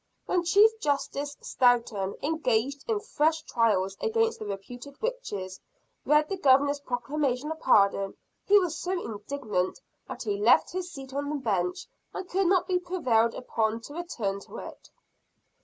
When Chief Justice Stoughton, engaged in fresh trials against the reputed witches, read the Governor's proclamation of Pardon, he was so indignant that he left his seat on the bench, and could not be prevailed upon to return to it.